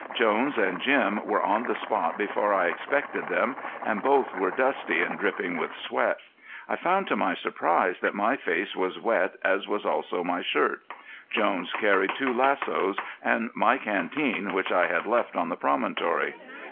Jones and Jim were on the spot before I expected them and both were dusty and dripping with sweat. I found to my surprise that my face was wet as was also my shirt. Jones carried two lassos, and my canteen, which I had left on the promontory.